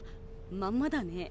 まんまだね。